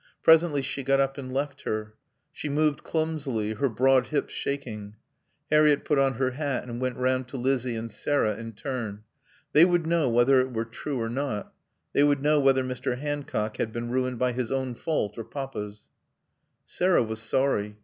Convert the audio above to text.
Presently she got up and left her. She moved clumsily, her broad hips shaking. Harriett put on her hat and went round to Lizzie and Sarah in turn. They would know whether it were true or not. They would know whether Mr. Hancock had been ruined by his own fault or Papa's. Sarah was sorry.